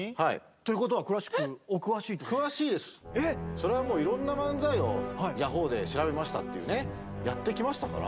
それはもういろんな漫才を「ヤホー」で調べましたっていうねやってきましたから。